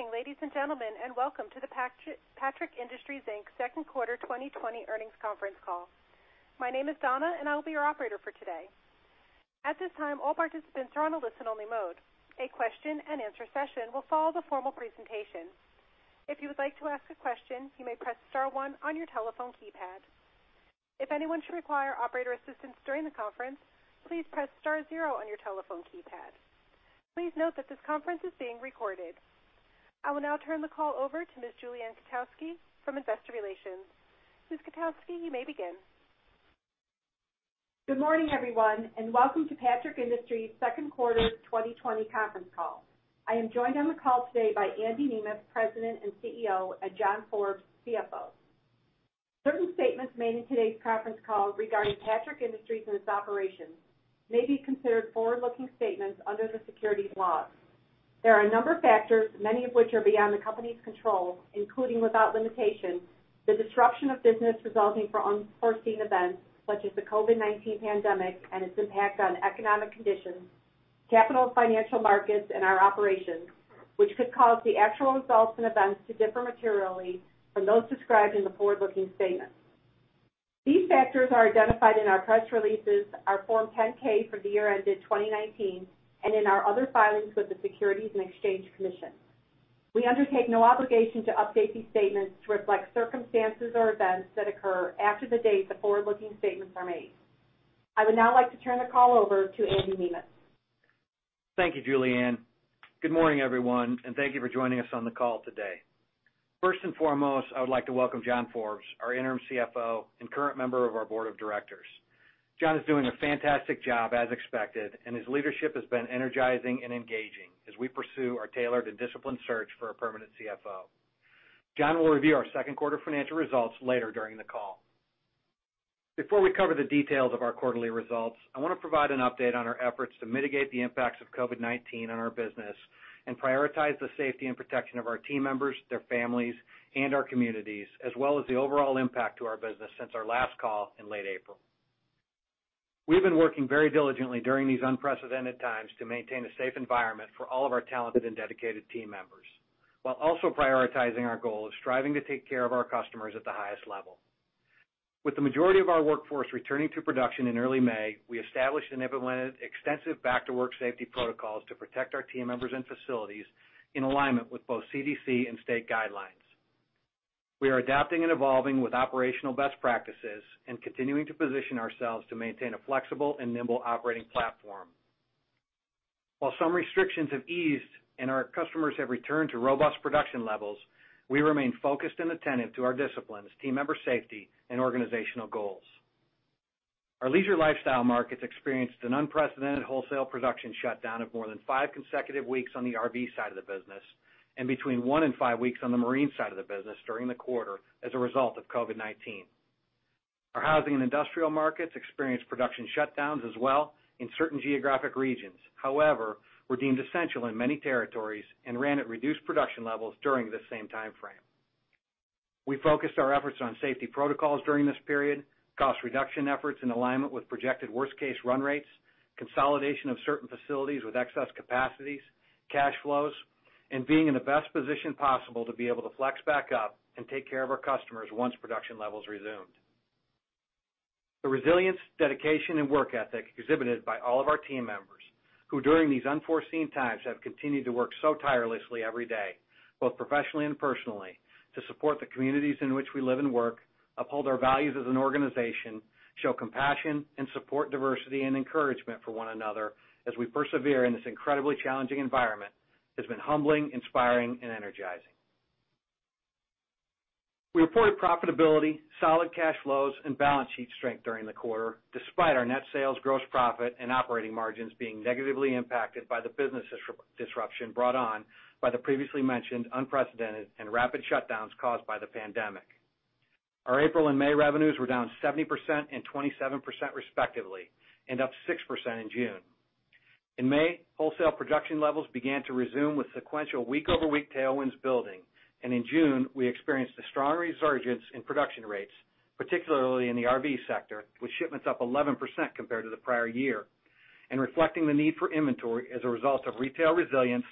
Good morning, ladies and gentlemen, and welcome to the Patrick Industries, Inc. second quarter 2020 earnings conference call. My name is Donna, and I will be your operator for today. At this time, all participants are on a listen-only mode. A question-and-answer session will follow the formal presentation. If you would like to ask a question, you may press star one on your telephone keypad. If anyone should require operator assistance during the conference, please press star zero on your telephone keypad. Please note that this conference is being recorded. I will now turn the call over to Ms. Julie Ann Kotowski from Investor Relations. Ms. Kotowski, you may begin. Good morning, everyone, and welcome to Patrick Industries' second quarter 2020 conference call. I am joined on the call today by Andy Nemeth, President and CEO, and John Forbes, CFO. Certain statements made in today's conference call regarding Patrick Industries and its operations may be considered forward-looking statements under the securities laws. There are a number of factors, many of which are beyond the company's control, including, without limitation, the disruption of business resulting from unforeseen events such as the COVID-19 pandemic and its impact on economic conditions, capital financial markets, and our operations, which could cause the actual results and events to differ materially from those described in the forward-looking statements. These factors are identified in our press releases, our Form 10-K for the year ended 2019, and in our other filings with the Securities and Exchange Commission. We undertake no obligation to update these statements to reflect circumstances or events that occur after the date the forward-looking statements are made. I would now like to turn the call over to Andy Nemeth. Thank you, Julie Ann. Good morning, everyone, thank you for joining us on the call today. First and foremost, I would like to welcome John Forbes, our interim CFO and current member of our board of directors. John is doing a fantastic job as expected, his leadership has been energizing and engaging as we pursue our tailored and disciplined search for a permanent CFO. John will review our second quarter financial results later during the call. Before we cover the details of our quarterly results, I want to provide an update on our efforts to mitigate the impacts of COVID-19 on our business and prioritize the safety and protection of our team members, their families, and our communities, as well as the overall impact to our business since our last call in late April. We've been working very diligently during these unprecedented times to maintain a safe environment for all of our talented and dedicated team members, while also prioritizing our goal of striving to take care of our customers at the highest level. With the majority of our workforce returning to production in early May, we established and implemented extensive back-to-work safety protocols to protect our team members and facilities in alignment with both CDC and state guidelines. We are adapting and evolving with operational best practices and continuing to position ourselves to maintain a flexible and nimble operating platform. While some restrictions have eased and our customers have returned to robust production levels, we remain focused and attentive to our disciplines, team member safety, and organizational goals. Our leisure lifestyle markets experienced an unprecedented wholesale production shutdown of more than five consecutive weeks on the RV side of the business and between one and five weeks on the marine side of the business during the quarter as a result of COVID-19. Our housing and industrial markets experienced production shutdowns as well in certain geographic regions. However, were deemed essential in many territories and ran at reduced production levels during this same timeframe. We focused our efforts on safety protocols during this period, cost reduction efforts in alignment with projected worst-case run rates, consolidation of certain facilities with excess capacities, cash flows, and being in the best position possible to be able to flex back up and take care of our customers once production levels resumed. The resilience, dedication, and work ethic exhibited by all of our team members, who during these unforeseen times have continued to work so tirelessly every day, both professionally and personally, to support the communities in which we live and work, uphold our values as an organization, show compassion and support diversity and encouragement for one another as we persevere in this incredibly challenging environment, has been humbling, inspiring, and energizing. We reported profitability, solid cash flows, and balance sheet strength during the quarter, despite our net sales, gross profit, and operating margins being negatively impacted by the business disruption brought on by the previously mentioned unprecedented and rapid shutdowns caused by the pandemic. Our April and May revenues were down 70% and 27% respectively, and up 6% in June. In May, wholesale production levels began to resume with sequential week-over-week tailwinds building. In June, we experienced a strong resurgence in production rates, particularly in the RV sector, with shipments up 11% compared to the prior year and reflecting the need for inventory as a result of retail resilience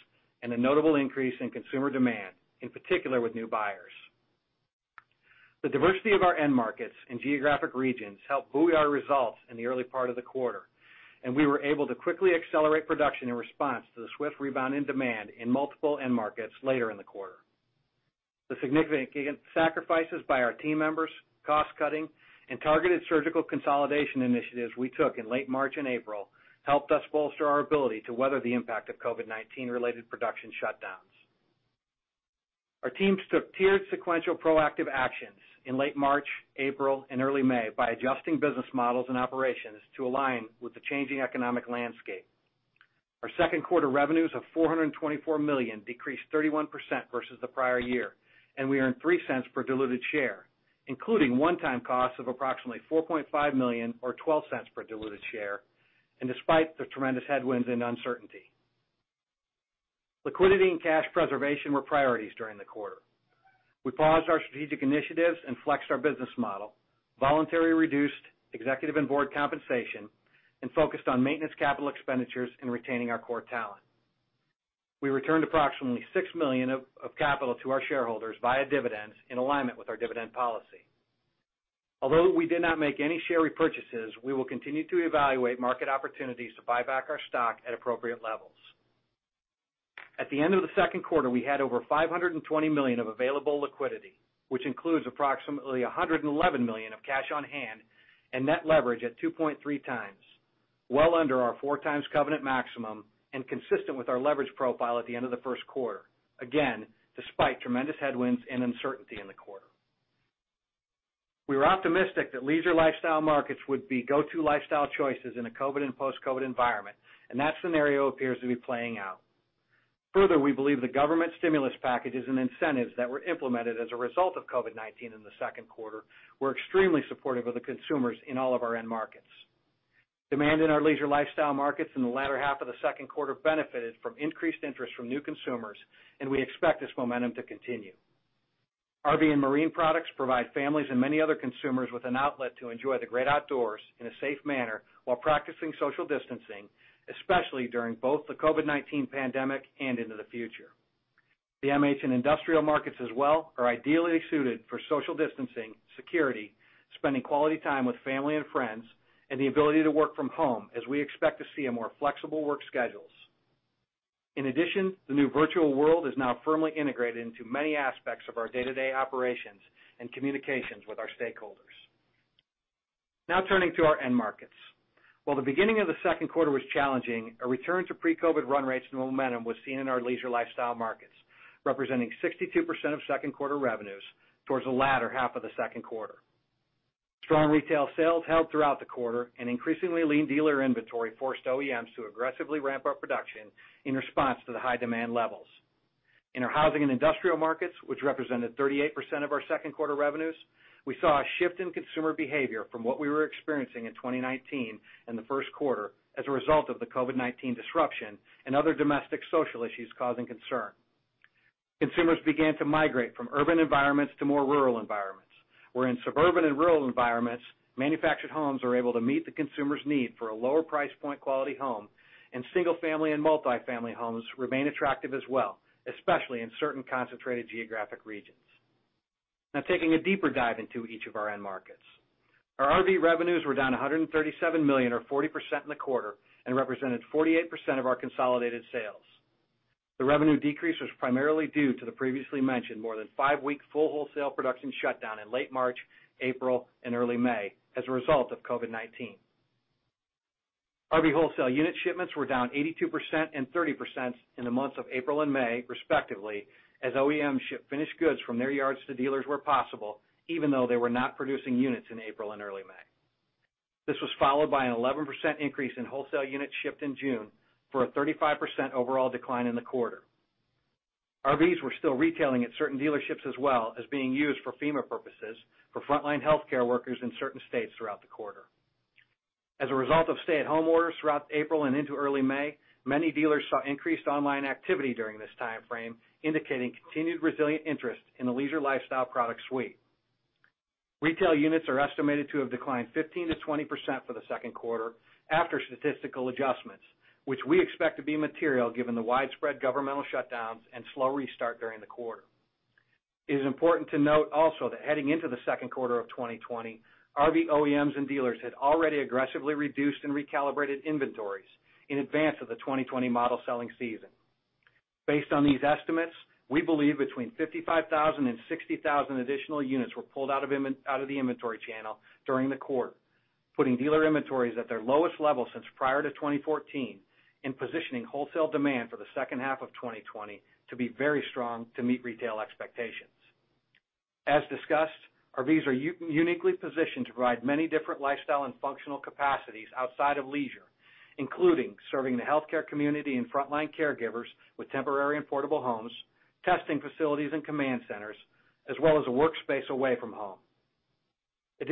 and a notable increase in consumer demand, in particular with new buyers. The diversity of our end markets and geographic regions helped buoy our results in the early part of the quarter, and we were able to quickly accelerate production in response to the swift rebound in demand in multiple end markets later in the quarter. The significant sacrifices by our team members, cost-cutting, and targeted surgical consolidation initiatives we took in late March and April helped us bolster our ability to weather the impact of COVID-19 related production shutdowns. Our teams took tiered sequential proactive actions in late March, April, and early May by adjusting business models and operations to align with the changing economic landscape. Our second quarter revenues of $424 million decreased 31% versus the prior year, and we earned $0.03 per diluted share, including one-time costs of approximately $4.5 million or $0.12 per diluted share, and despite the tremendous headwinds and uncertainty. Liquidity and cash preservation were priorities during the quarter. We paused our strategic initiatives and flexed our business model, voluntarily reduced executive and board compensation, and focused on maintenance capital expenditures in retaining our core talent. We returned approximately $6 million of capital to our shareholders via dividends in alignment with our dividend policy. Although we did not make any share repurchases, we will continue to evaluate market opportunities to buy back our stock at appropriate levels. At the end of the second quarter, we had over $520 million of available liquidity, which includes approximately $111 million of cash on hand and net leverage at 2.3x, well under our four times covenant maximum and consistent with our leverage profile at the end of the first quarter. Again, despite tremendous headwinds and uncertainty in the quarter. We were optimistic that leisure lifestyle markets would be go-to lifestyle choices in a COVID and post-COVID environment, and that scenario appears to be playing out. Further, we believe the government stimulus packages and incentives that were implemented as a result of COVID-19 in the second quarter were extremely supportive of the consumers in all of our end markets. Demand in our leisure lifestyle markets in the latter half of the second quarter benefited from increased interest from new consumers, and we expect this momentum to continue. RV and marine products provide families and many other consumers with an outlet to enjoy the great outdoors in a safe manner while practicing social distancing, especially during both the COVID-19 pandemic and into the future. The MH and industrial markets as well are ideally suited for social distancing, security, spending quality time with family and friends, and the ability to work from home, as we expect to see a more flexible work schedules. The new virtual world is now firmly integrated into many aspects of our day-to-day operations and communications with our stakeholders. Turning to our end markets. While the beginning of the second quarter was challenging, a return to pre-COVID run rates and momentum was seen in our leisure lifestyle markets, representing 62% of second quarter revenues towards the latter half of the second quarter. Strong retail sales held throughout the quarter, and increasingly lean dealer inventory forced OEMs to aggressively ramp up production in response to the high demand levels. In our housing and industrial markets, which represented 38% of our second quarter revenues, we saw a shift in consumer behavior from what we were experiencing in 2019 and the first quarter as a result of the COVID-19 disruption and other domestic social issues causing concern. Consumers began to migrate from urban environments to more rural environments. Where in suburban and rural environments, manufactured homes are able to meet the consumer's need for a lower price point quality home, and single-family and multi-family homes remain attractive as well, especially in certain concentrated geographic regions. Taking a deeper dive into each of our end markets. Our RV revenues were down $137 million or 40% in the quarter and represented 48% of our consolidated sales. The revenue decrease was primarily due to the previously mentioned more than five-week full wholesale production shutdown in late March, April, and early May as a result of COVID-19. RV wholesale unit shipments were down 82% and 30% in the months of April and May, respectively, as OEMs shipped finished goods from their yards to dealers where possible, even though they were not producing units in April and early May. This was followed by an 11% increase in wholesale units shipped in June for a 35% overall decline in the quarter. RVs were still retailing at certain dealerships as well as being used for FEMA purposes for frontline healthcare workers in certain states throughout the quarter. As a result of stay-at-home orders throughout April and into early May, many dealers saw increased online activity during this time frame, indicating continued resilient interest in the leisure lifestyle product suite. Retail units are estimated to have declined 15%-20% for the second quarter after statistical adjustments, which we expect to be material given the widespread governmental shutdowns and slow restart during the quarter. It is important to note also that heading into the second quarter of 2020, RV OEMs and dealers had already aggressively reduced and recalibrated inventories in advance of the 2020 model selling season. Based on these estimates, we believe between 55,000 and 60,000 additional units were pulled out of the inventory channel during the quarter, putting dealer inventories at their lowest level since prior to 2014 and positioning wholesale demand for the second half of 2020 to be very strong to meet retail expectations. As discussed, RVs are uniquely positioned to provide many different lifestyle and functional capacities outside of leisure, including serving the healthcare community and frontline caregivers with temporary and portable homes, testing facilities and command centers, as well as a workspace away from home. The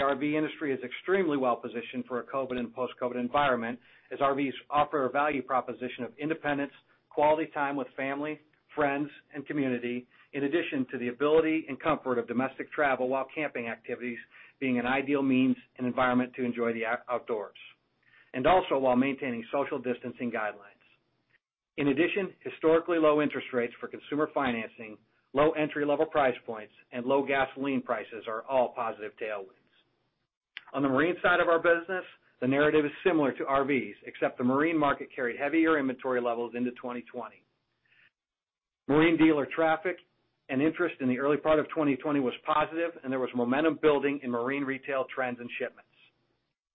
RV industry is extremely well-positioned for a COVID and post-COVID environment as RVs offer a value proposition of independence, quality time with family, friends, and community, in addition to the ability and comfort of domestic travel while camping activities being an ideal means and environment to enjoy the outdoors. While maintaining social distancing guidelines. Historically low interest rates for consumer financing, low entry-level price points, and low gasoline prices are all positive tailwinds. On the marine side of our business, the narrative is similar to RVs, except the marine market carried heavier inventory levels into 2020. Marine dealer traffic and interest in the early part of 2020 was positive, and there was momentum building in marine retail trends and shipments.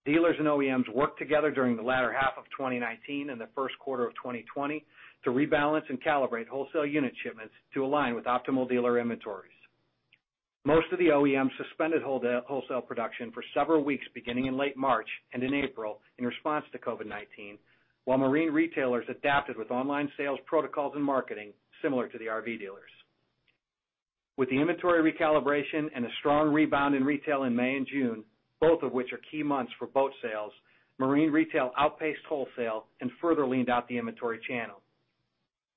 Dealers and OEMs worked together during the latter half of 2019 and the first quarter of 2020 to rebalance and calibrate wholesale unit shipments to align with optimal dealer inventories. Most of the OEMs suspended wholesale production for several weeks, beginning in late March and in April in response to COVID-19, while marine retailers adapted with online sales protocols and marketing similar to the RV dealers. With the inventory recalibration and a strong rebound in retail in May and June, both of which are key months for boat sales, marine retail outpaced wholesale and further leaned out the inventory channel.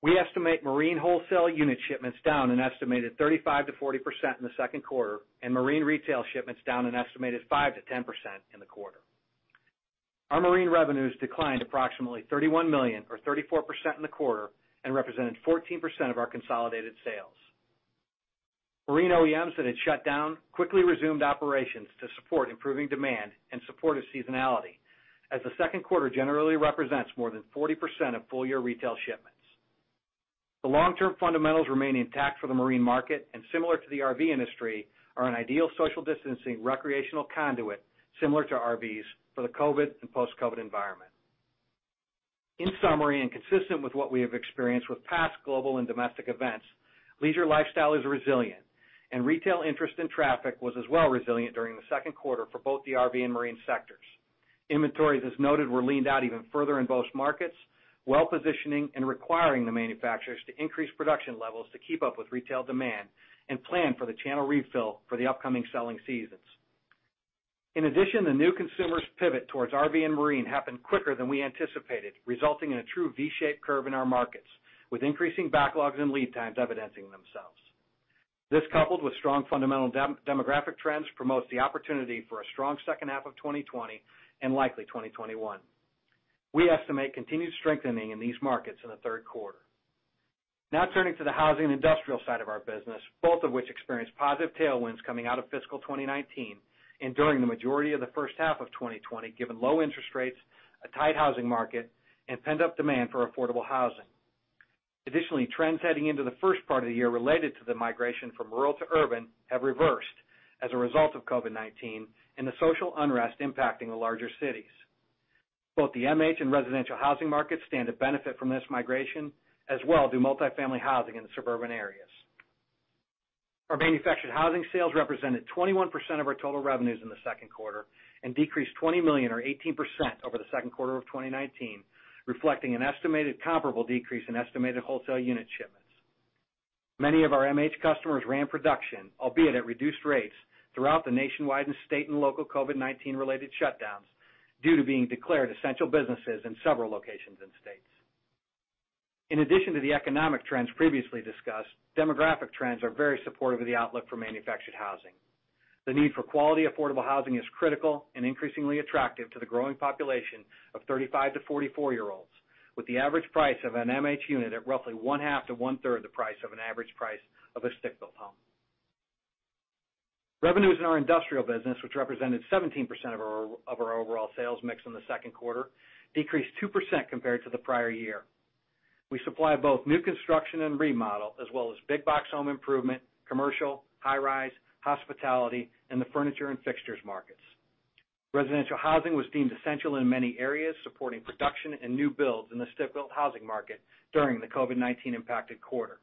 We estimate marine wholesale unit shipments down an estimated 35%-40% in the second quarter, and marine retail shipments down an estimated 5%-10% in the quarter. Our marine revenues declined approximately $31 million or 34% in the quarter and represented 14% of our consolidated sales. Marine OEMs that had shut down quickly resumed operations to support improving demand and supportive seasonality, as the second quarter generally represents more than 40% of full-year retail shipments. The long-term fundamentals remain intact for the marine market and, similar to the RV industry, are an ideal social distancing recreational conduit, similar to RVs, for the COVID and post-COVID environment. In summary, and consistent with what we have experienced with past global and domestic events, leisure lifestyle is resilient, and retail interest and traffic was as well resilient during the second quarter for both the RV and marine sectors. Inventories, as noted, were leaned out even further in both markets, well-positioning and requiring the manufacturers to increase production levels to keep up with retail demand and plan for the channel refill for the upcoming selling seasons. In addition, the new consumer's pivot towards RV and marine happened quicker than we anticipated, resulting in a true V-shaped curve in our markets, with increasing backlogs and lead times evidencing themselves. This, coupled with strong fundamental demographic trends, promotes the opportunity for a strong second half of 2020 and likely 2021. We estimate continued strengthening in these markets in the third quarter. Turning to the housing and industrial side of our business, both of which experienced positive tailwinds coming out of fiscal 2019 and during the majority of the first half of 2020, given low interest rates, a tight housing market, and pent-up demand for affordable housing. Trends heading into the first part of the year related to the migration from rural to urban have reversed as a result of COVID-19 and the social unrest impacting the larger cities. Both the MH and residential housing markets stand to benefit from this migration, as well do multifamily housing in the suburban areas. Our manufactured housing sales represented 21% of our total revenues in the second quarter and decreased $20 million or 18% over the second quarter of 2019, reflecting an estimated comparable decrease in estimated wholesale unit shipments. Many of our MH customers ran production, albeit at reduced rates, throughout the nationwide and state and local COVID-19-related shutdowns due to being declared essential businesses in several locations and states. In addition to the economic trends previously discussed, demographic trends are very supportive of the outlook for manufactured housing. The need for quality, affordable housing is critical and increasingly attractive to the growing population of 35 to 44-year-olds, with the average price of an MH unit at roughly one-half to one-third the price of an average price of a stick-built home. Revenues in our industrial business, which represented 17% of our overall sales mix in the second quarter, decreased 2% compared to the prior year. We supply both new construction and remodel as well as big box home improvement, commercial, high-rise, hospitality, and the furniture and fixtures markets. Residential housing was deemed essential in many areas, supporting production and new builds in the stick-built housing market during the COVID-19 impacted quarter.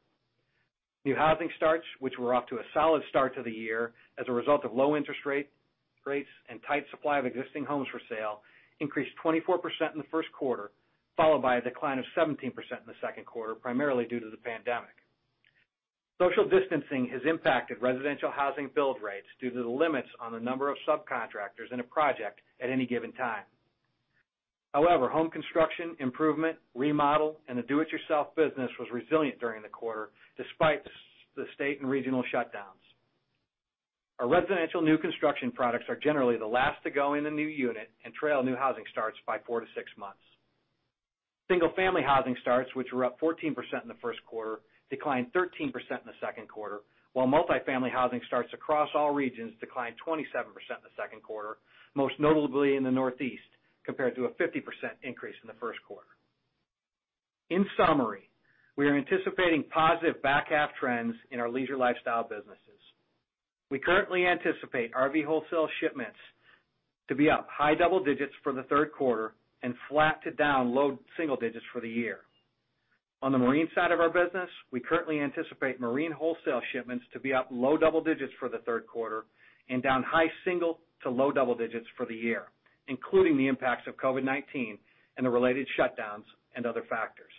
New housing starts, which were off to a solid start to the year as a result of low interest rates and tight supply of existing homes for sale, increased 24% in the first quarter, followed by a decline of 17% in the second quarter, primarily due to the pandemic. Social distancing has impacted residential housing build rates due to the limits on the number of subcontractors in a project at any given time. However, home construction, improvement, remodel, and the do-it-yourself business was resilient during the quarter, despite the state and regional shutdowns. Our residential new construction products are generally the last to go in the new unit and trail new housing starts by 4-6 months. Single-family housing starts, which were up 14% in the first quarter, declined 13% in the second quarter, while multifamily housing starts across all regions declined 27% in the second quarter, most notably in the Northeast, compared to a 50% increase in the first quarter. In summary, we are anticipating positive back half trends in our leisure lifestyle businesses. We currently anticipate RV wholesale shipments to be up high double digits for the third quarter and flat to down low single digits for the year. On the marine side of our business, we currently anticipate marine wholesale shipments to be up low double digits for the third quarter and down high single to low double digits for the year, including the impacts of COVID-19 and the related shutdowns and other factors.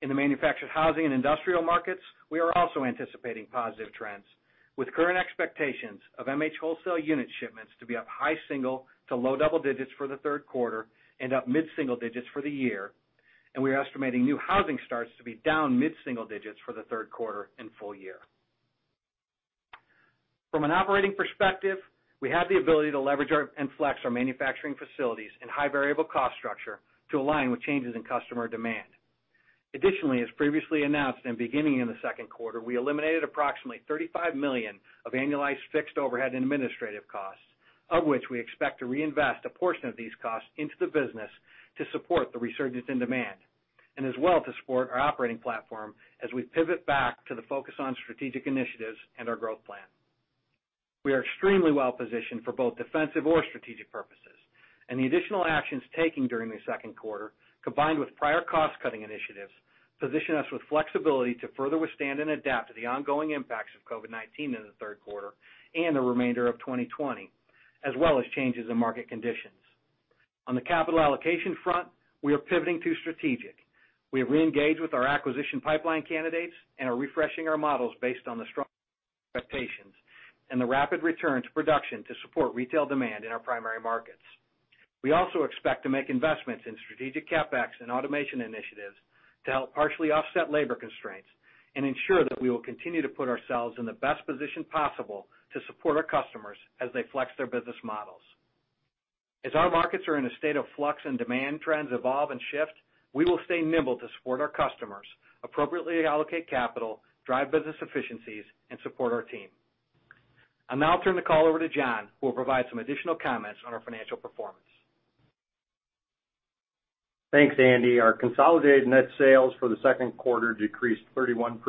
In the manufactured housing and industrial markets, we are also anticipating positive trends, with current expectations of MH wholesale unit shipments to be up high single to low double digits for the third quarter and up mid-single digits for the year. We're estimating new housing starts to be down mid-single digits for the third quarter and full year. From an operating perspective, we have the ability to leverage and flex our manufacturing facilities and high variable cost structure to align with changes in customer demand. Additionally, as previously announced and beginning in the second quarter, we eliminated approximately $35 million of annualized fixed overhead and administrative costs, of which we expect to reinvest a portion of these costs into the business to support the resurgence in demand and as well to support our operating platform as we pivot back to the focus on strategic initiatives and our growth plan. We are extremely well-positioned for both defensive or strategic purposes, and the additional actions taken during the second quarter, combined with prior cost-cutting initiatives, position us with flexibility to further withstand and adapt to the ongoing impacts of COVID-19 in the third quarter and the remainder of 2020, as well as changes in market conditions. On the capital allocation front, we are pivoting to strategic. We have re-engaged with our acquisition pipeline candidates and are refreshing our models based on the strong expectations and the rapid return to production to support retail demand in our primary markets. We also expect to make investments in strategic CapEx and automation initiatives to help partially offset labor constraints and ensure that we will continue to put ourselves in the best position possible to support our customers as they flex their business models. As our markets are in a state of flux and demand trends evolve and shift, we will stay nimble to support our customers, appropriately allocate capital, drive business efficiencies, and support our team. I'll now turn the call over to John, who will provide some additional comments on our financial performance. Thanks, Andy. Our consolidated net sales for the second quarter decreased 31%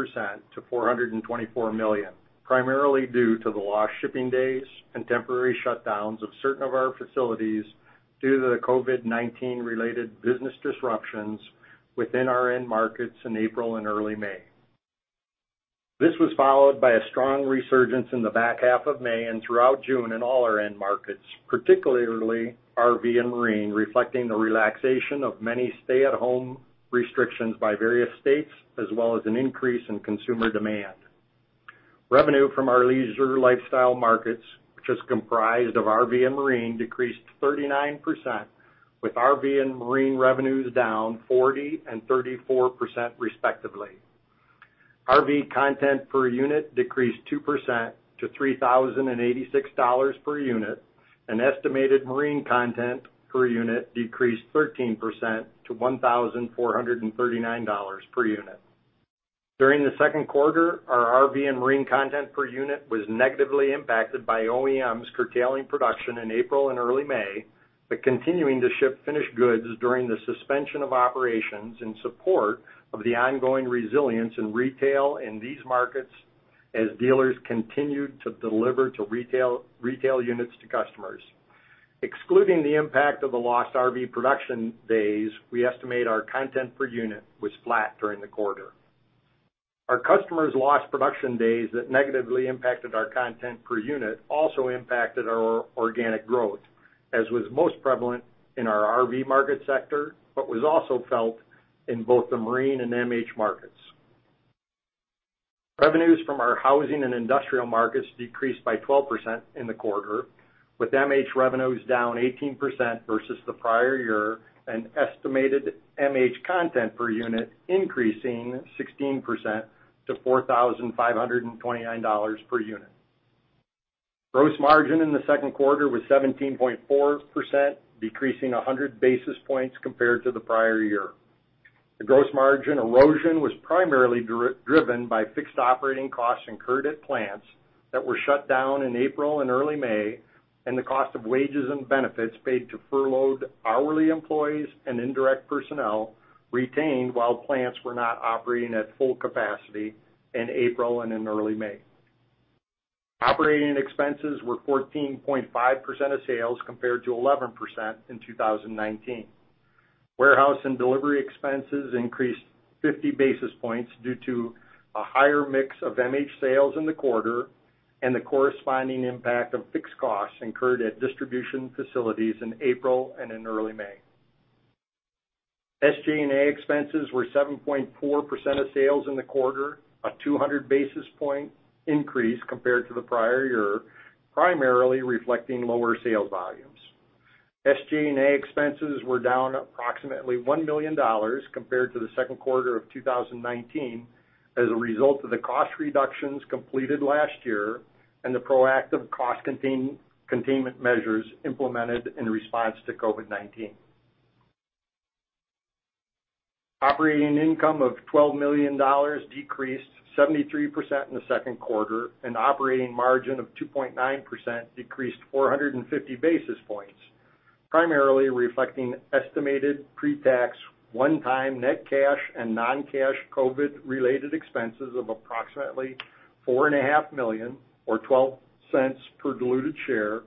to $424 million, primarily due to the lost shipping days and temporary shutdowns of certain of our facilities due to the COVID-19 related business disruptions within our end markets in April and early May. This was followed by a strong resurgence in the back half of May and throughout June in all our end markets, particularly RV and marine, reflecting the relaxation of many stay-at-home restrictions by various states, as well as an increase in consumer demand. Revenue from our leisure lifestyle markets, which is comprised of RV and marine, decreased 39%, with RV and marine revenues down 40% and 34%, respectively. RV content per unit decreased 2% to $3,086 per unit, and estimated marine content per unit decreased 13% to $1,439 per unit. During the second quarter, our RV and marine content per unit was negatively impacted by OEMs curtailing production in April and early May, but continuing to ship finished goods during the suspension of operations in support of the ongoing resilience in retail in these markets as dealers continued to deliver to retail units to customers. Excluding the impact of the lost RV production days, we estimate our content per unit was flat during the quarter. Our customers' lost production days that negatively impacted our content per unit also impacted our organic growth, as was most prevalent in our RV market sector, but was also felt in both the marine and MH markets. Revenues from our housing and industrial markets decreased by 12% in the quarter, with MH revenues down 18% versus the prior year and estimated MH content per unit increasing 16% to $4,529 per unit. Gross margin in the second quarter was 17.4%, decreasing 100 basis points compared to the prior year. The gross margin erosion was primarily driven by fixed operating costs incurred at plants that were shut down in April and early May, and the cost of wages and benefits paid to furloughed hourly employees and indirect personnel retained while plants were not operating at full capacity in April and in early May. Operating expenses were 14.5% of sales, compared to 11% in 2019. Warehouse and delivery expenses increased 50 basis points due to a higher mix of MH sales in the quarter and the corresponding impact of fixed costs incurred at distribution facilities in April and in early May. SG&A expenses were 7.4% of sales in the quarter, a 200 basis point increase compared to the prior year, primarily reflecting lower sales volumes. SG&A expenses were down approximately $1 million compared to the second quarter of 2019 as a result of the cost reductions completed last year and the proactive cost containment measures implemented in response to COVID-19. Operating income of $12 million decreased 73% in the second quarter, and operating margin of 2.9% decreased 450 basis points, primarily reflecting estimated pre-tax, one-time net cash and non-cash COVID-related expenses of approximately $4.5 million or $0.12 per diluted share,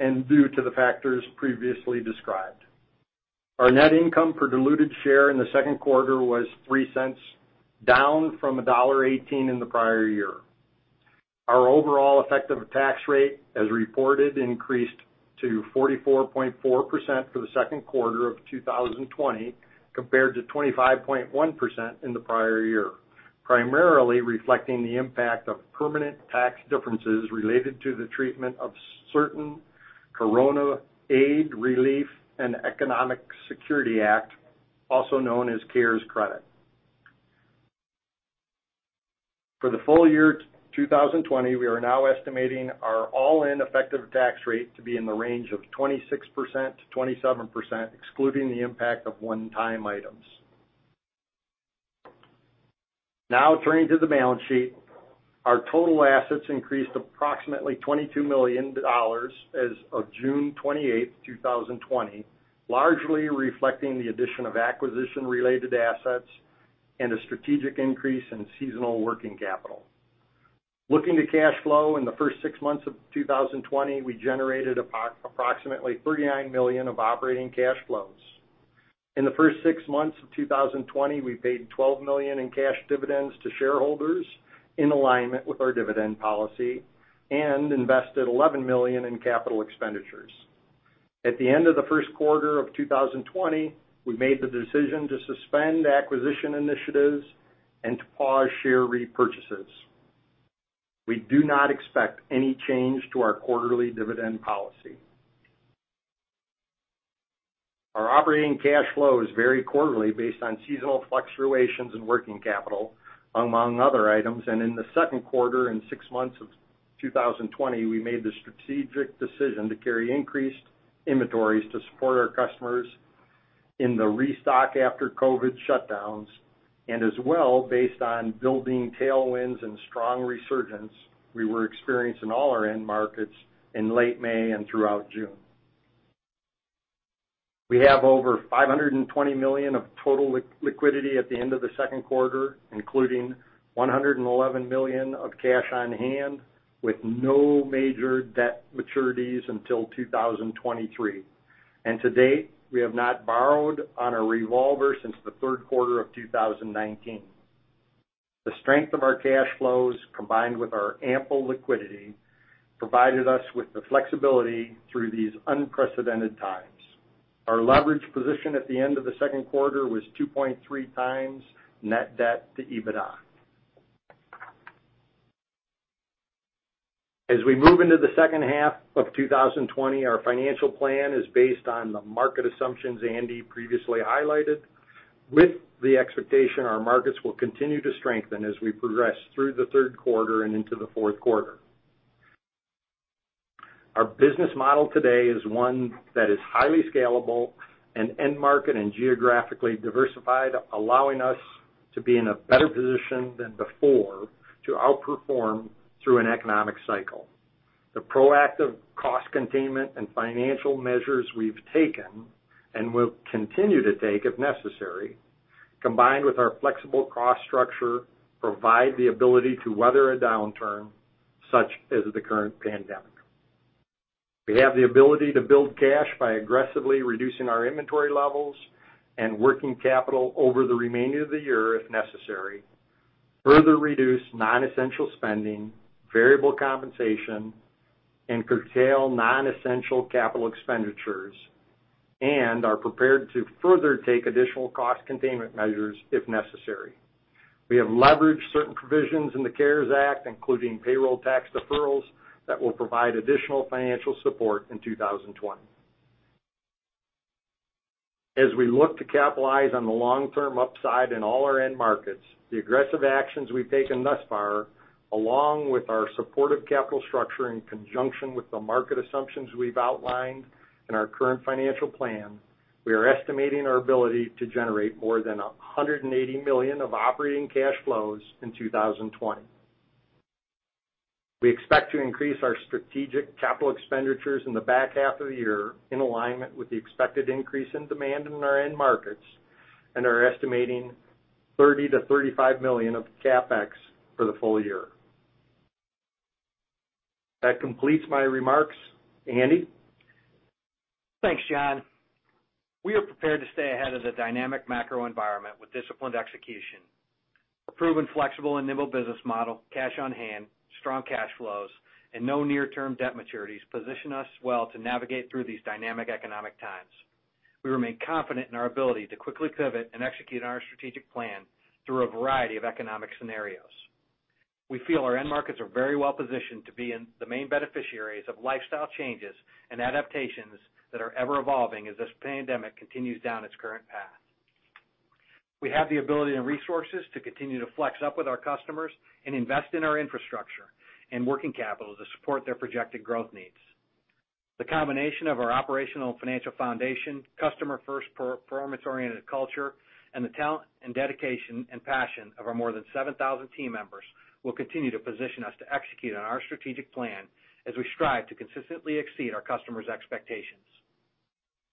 and due to the factors previously described. Our net income per diluted share in the second quarter was $0.03, down from $1.18 in the prior year. Our overall effective tax rate, as reported, increased to 44.4% for the second quarter of 2020, compared to 25.1% in the prior year, primarily reflecting the impact of permanent tax differences related to the treatment of certain Coronavirus Aid, Relief, and Economic Security Act, also known as CARES credit. For the full year 2020, we are now estimating our all-in effective tax rate to be in the range of 26%-27%, excluding the impact of one-time items. Now turning to the balance sheet. Our total assets increased approximately $22 million as of June 28th, 2020, largely reflecting the addition of acquisition-related assets and a strategic increase in seasonal working capital. Looking to cash flow in the first six months of 2020, we generated approximately $39 million of operating cash flows. In the first six months of 2020, we paid $12 million in cash dividends to shareholders in alignment with our dividend policy and invested $11 million in capital expenditures. At the end of the first quarter of 2020, we made the decision to suspend acquisition initiatives and to pause share repurchases. We do not expect any change to our quarterly dividend policy. Our operating cash flows vary quarterly based on seasonal fluctuations in working capital, among other items. In the second quarter and 6 months of 2020, we made the strategic decision to carry increased inventories to support our customers in the restock after COVID shutdowns, and as well, based on building tailwinds and strong resurgence we were experiencing in all our end markets in late May and throughout June. We have over $520 million of total liquidity at the end of the second quarter, including $111 million of cash on hand, with no major debt maturities until 2023. To date, we have not borrowed on our revolver since the third quarter of 2019. The strength of our cash flows, combined with our ample liquidity, provided us with the flexibility through these unprecedented times. Our leverage position at the end of the second quarter was 2.3x net debt to EBITDA. As we move into the second half of 2020, our financial plan is based on the market assumptions Andy previously highlighted, with the expectation our markets will continue to strengthen as we progress through the third quarter and into the fourth quarter. Our business model today is one that is highly scalable and end market and geographically diversified, allowing us to be in a better position than before to outperform through an economic cycle. The proactive cost containment and financial measures we've taken, and will continue to take if necessary, combined with our flexible cost structure, provide the ability to weather a downturn such as the current pandemic. We have the ability to build cash by aggressively reducing our inventory levels and working capital over the remainder of the year if necessary, further reduce non-essential spending, variable compensation, and curtail non-essential capital expenditures, and are prepared to further take additional cost containment measures if necessary. We have leveraged certain provisions in the CARES Act, including payroll tax deferrals, that will provide additional financial support in 2020. As we look to capitalize on the long-term upside in all our end markets, the aggressive actions we've taken thus far, along with our supportive capital structure in conjunction with the market assumptions we've outlined in our current financial plan, we are estimating our ability to generate more than $180 million of operating cash flows in 2020. We expect to increase our strategic capital expenditures in the back half of the year in alignment with the expected increase in demand in our end markets and are estimating $30 million-$35 million of CapEx for the full year. That completes my remarks. Andy? Thanks, John. We are prepared to stay ahead of the dynamic macro environment with disciplined execution. Our proven flexible and nimble business model, cash on hand, strong cash flows, and no near-term debt maturities position us well to navigate through these dynamic economic times. We remain confident in our ability to quickly pivot and execute on our strategic plan through a variety of economic scenarios. We feel our end markets are very well positioned to be the main beneficiaries of lifestyle changes and adaptations that are ever evolving as this pandemic continues down its current path. We have the ability and resources to continue to flex up with our customers and invest in our infrastructure and working capital to support their projected growth needs. The combination of our operational and financial foundation, customer-first performance-oriented culture, and the talent and dedication and passion of our more than 7,000 team members will continue to position us to execute on our strategic plan as we strive to consistently exceed our customers' expectations.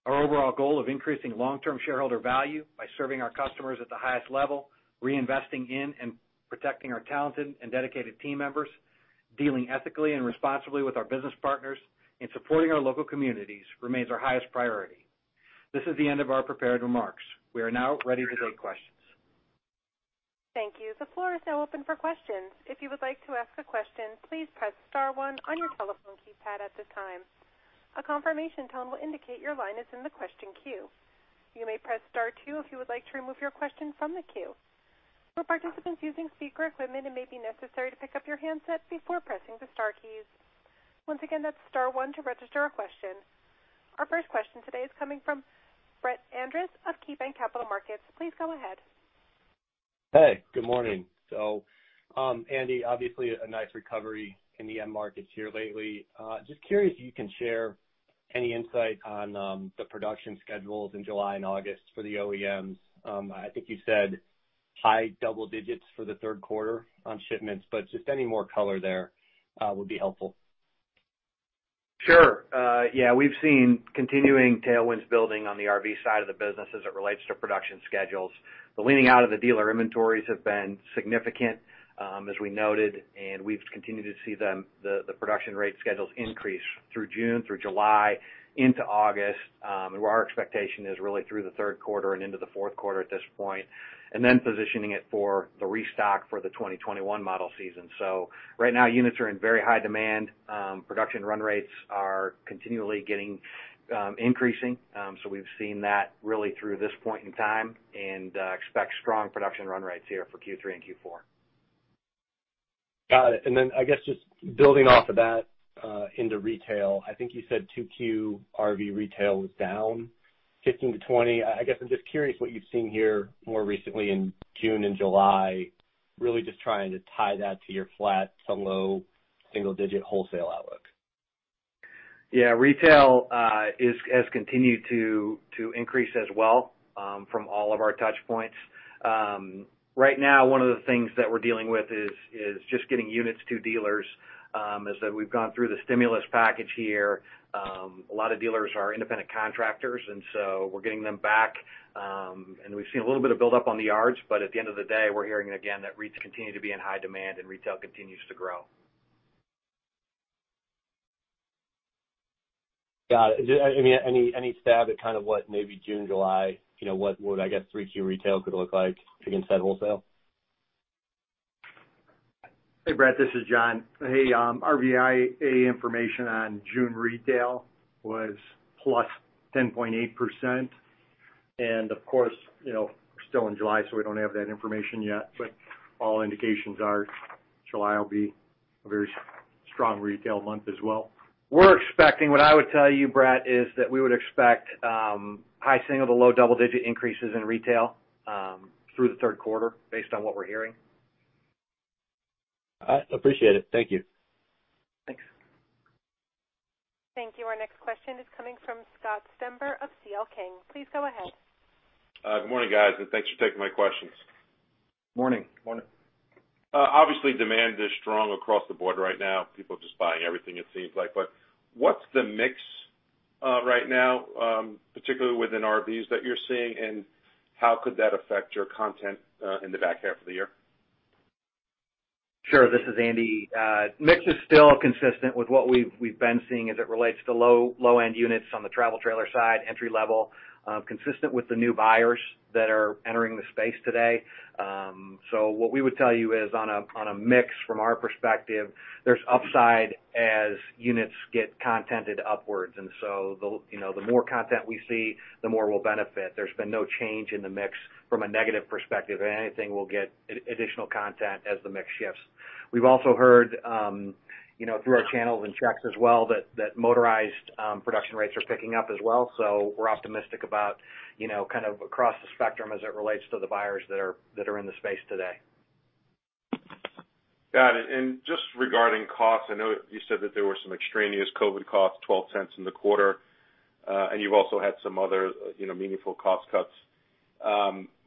Our overall goal of increasing long-term shareholder value by serving our customers at the highest level, reinvesting in and protecting our talented and dedicated team members, dealing ethically and responsibly with our business partners, and supporting our local communities remains our highest priority. This is the end of our prepared remarks. We are now ready to take questions. Thank you. The floor is now open for questions. If you would like to ask a question, please press star one on your telephone keypad at this time. A confirmation tone will indicate your line is in the question queue. You may press star two if you would like to remove your question from the queue. For participants using speaker equipment, it may be necessary to pick up your handset before pressing the star keys. Once again, that's star one to register a question. Our first question today is coming from Brett Andress of KeyBanc Capital Markets. Please go ahead. Hey, good morning. Andy, obviously a nice recovery in the end markets here lately. Just curious if you can share any insight on the production schedules in July and August for the OEMs. I think you said high double digits for the third quarter on shipments, any more color there would be helpful. Sure. Yeah, we've seen continuing tailwinds building on the RV side of the business as it relates to production schedules. The leaning out of the dealer inventories have been significant as we noted, and we've continued to see the production rate schedules increase through June, through July, into August, and our expectation is really through the third quarter and into the fourth quarter at this point, and then positioning it for the restock for the 2021 model season. Right now, units are in very high demand. Production run rates are continually increasing. We've seen that really through this point in time and expect strong production run rates here for Q3 and Q4. Got it. Then I guess just building off of that into retail, I think you said Q2 RV retail was down 15%-20%. I guess I'm just curious what you've seen here more recently in June and July, really just trying to tie that to your flat to low single-digit wholesale outlook. Yeah. Retail has continued to increase as well from all of our touch points. Right now, one of the things that we're dealing with is just getting units to dealers, is that we've gone through the stimulus package here. A lot of dealers are independent contractors, and so we're getting them back. We've seen a little bit of build up on the yards, but at the end of the day, we're hearing again that retail continue to be in high demand and retail continues to grow. Got it. Any stab at what maybe June, July, what would, I guess, 3Q retail could look like against that wholesale? Hey, Brett, this is John. Hey, RVIA information on June retail was plus 10.8%. Of course, we're still in July, so we don't have that information yet. All indications are July will be a very strong retail month as well. We're expecting, what I would tell you, Brett, is that we would expect high single to low double-digit increases in retail through the third quarter based on what we're hearing. I appreciate it. Thank you. Thanks. Thank you. Our next question is coming from Scott Stember of C.L. King. Please go ahead. Good morning, guys, and thanks for taking my questions. Morning. Morning. Obviously, demand is strong across the board right now. People are just buying everything, it seems like. What's the mix right now, particularly within RVs that you're seeing, and how could that affect your content in the back half of the year? Sure. This is Andy. Mix is still consistent with what we've been seeing as it relates to low-end units on the travel trailer side, entry level, consistent with the new buyers that are entering the space today. What we would tell you is on a mix from our perspective, there's upside as units get contented upwards. The more content we see, the more we'll benefit. There's been no change in the mix from a negative perspective. If anything, we'll get additional content as the mix shifts. We've also heard through our channels and checks as well that motorized production rates are picking up as well. We're optimistic about kind of across the spectrum as it relates to the buyers that are in the space today. Got it. Just regarding costs, I know you said that there were some extraneous COVID costs, $0.12 in the quarter. You've also had some other meaningful cost cuts.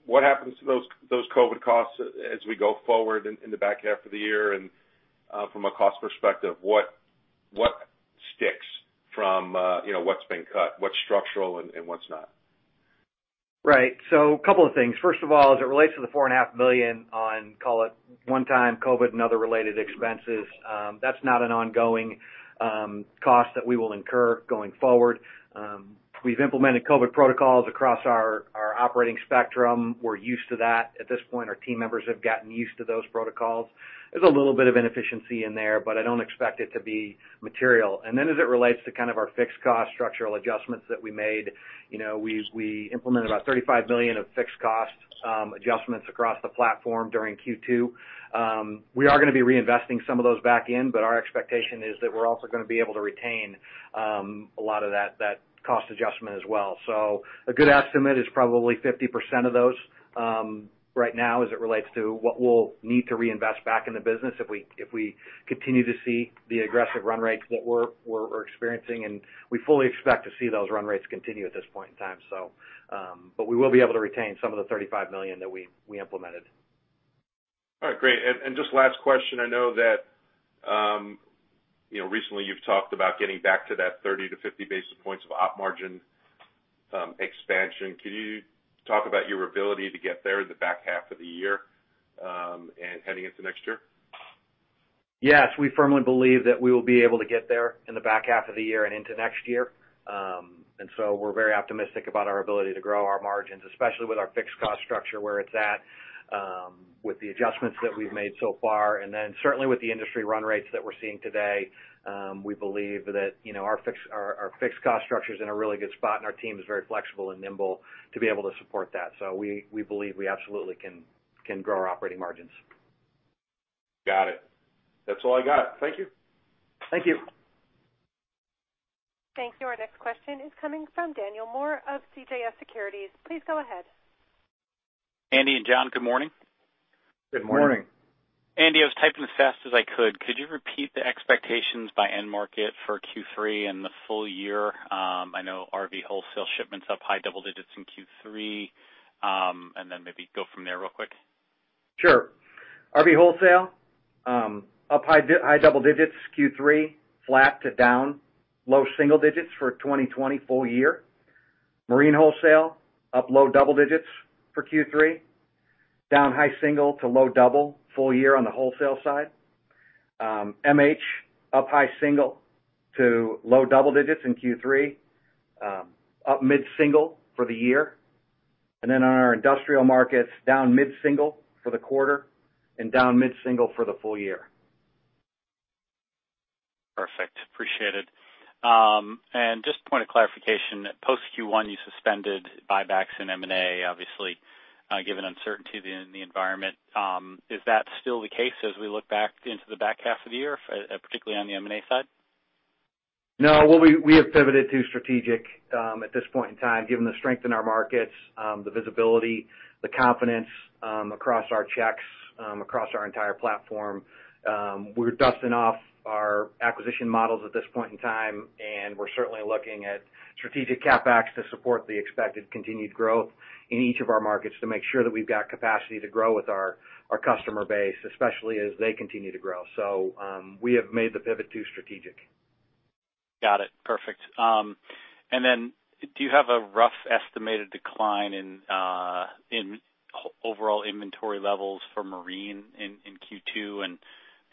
What happens to those COVID costs as we go forward in the back half of the year? From a cost perspective, what sticks from what's been cut? What's structural and what's not? Right. A couple of things. First of all, as it relates to the four and a half million on, call it, one-time COVID and other related expenses, that's not an ongoing cost that we will incur going forward. We've implemented COVID protocols across our operating spectrum. We're used to that at this point. Our team members have gotten used to those protocols. There's a little bit of inefficiency in there, but I don't expect it to be material. As it relates to kind of our fixed cost structural adjustments that we made, we implemented about $35 million of fixed cost adjustments across the platform during Q2. We are going to be reinvesting some of those back in, but our expectation is that we're also going to be able to retain a lot of that cost adjustment as well. A good estimate is probably 50% of those right now as it relates to what we'll need to reinvest back in the business if we continue to see the aggressive run rates that we're experiencing. We fully expect to see those run rates continue at this point in time. We will be able to retain some of the $35 million that we implemented. All right, great. Just last question, I know that recently you've talked about getting back to that 30-50 basis points of op margin expansion. Can you talk about your ability to get there in the back half of the year and heading into next year? Yes. We firmly believe that we will be able to get there in the back half of the year and into next year. We're very optimistic about our ability to grow our margins, especially with our fixed cost structure where it's at with the adjustments that we've made so far. Certainly, with the industry run rates that we're seeing today, we believe that our fixed cost structure is in a really good spot, and our team is very flexible and nimble to be able to support that. We believe we absolutely can grow our operating margins. Got it. That's all I got. Thank you. Thank you. Thank you. Our next question is coming from Daniel Moore of CJS Securities. Please go ahead. Andy and John, good morning. Good morning. Morning. Andy, I was typing as fast as I could. Could you repeat the expectations by end market for Q3 and the full year? I know RV wholesale shipments up high double digits in Q3. Then maybe go from there real quick. Sure. RV wholesale up high double digits Q3, flat to down, low single digits for 2020 full year. Marine wholesale up low double digits for Q3. Down high single to low double full year on the wholesale side. MH up high single to low double digits in Q3. Up mid-single for the year. On our industrial markets, down mid-single for the quarter and down mid-single for the full year. Appreciated. Just a point of clarification, post Q1, you suspended buybacks in M&A, obviously, given uncertainty in the environment. Is that still the case as we look back into the back half of the year, particularly on the M&A side? Well, we have pivoted to strategic at this point in time, given the strength in our markets, the visibility, the confidence across our checks, across our entire platform. We're dusting off our acquisition models at this point in time, we're certainly looking at strategic CapEx to support the expected continued growth in each of our markets to make sure that we've got capacity to grow with our customer base, especially as they continue to grow. We have made the pivot to strategic. Got it. Perfect. Then do you have a rough estimated decline in overall inventory levels for marine in Q2 and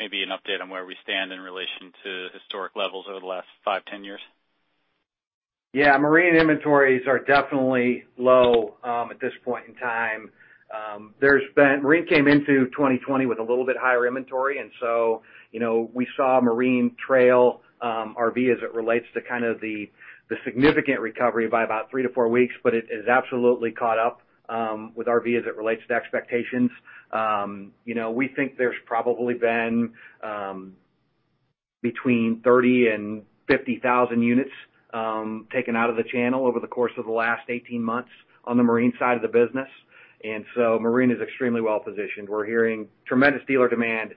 maybe an update on where we stand in relation to historic levels over the last five, 10 years? Yeah. Marine inventories are definitely low at this point in time. Marine came into 2020 with a little bit higher inventory. We saw marine trail RV as it relates to the significant recovery by about three to four weeks. It has absolutely caught up with RV as it relates to expectations. We think there's probably been between 30,000 and 50,000 units taken out of the channel over the course of the last 18 months on the marine side of the business. Marine is extremely well-positioned. We're hearing tremendous dealer demand